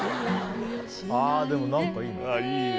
ああでもなんかいいね。